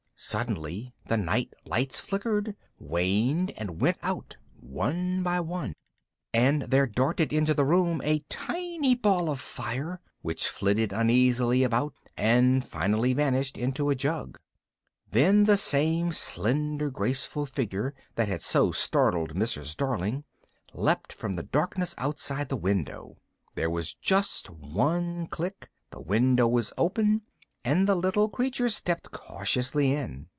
Suddenly the night lights flickered, waned, and went out one by one, and there darted into the room a tiny ball of fire, which flitted uneasily about and finally vanished into a jug. Then the same slender graceful figure that had so startled Mrs. Darling leapt from the darkness outside the window. There was just one click, the window was open, and the little creature stepped cautiously in.